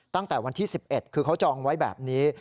ตั้งแต่วันที่๑๑คือเขาจองไว้แบบนี้